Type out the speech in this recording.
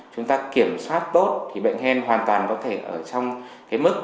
chúng ta kiểm soát tốt thì bệnh hen hoàn toàn có thể ở trong cái mức